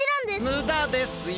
むだですよ。